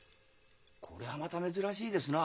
こりゃまた珍しいですな。